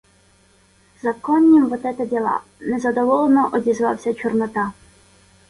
Законнім вот ета дєла, — незадоволено одізвався Чорнота.